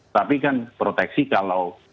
tapi kan proteksi kalau